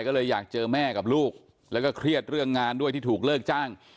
ก็เลยอยากเจอแม่กับลูกแล้วก็เครียดเรื่องงานด้วยที่ถูกเลิกจ้าง